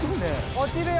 落ちるよ。